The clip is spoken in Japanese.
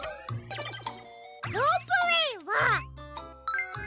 ロープウェイは。